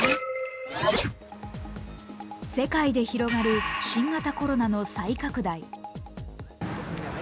世界で広がる新型コロナの再拡大。